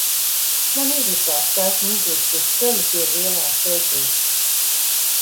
Man izlikās, ka esmu izlikta uz ceļa pie lielās egles.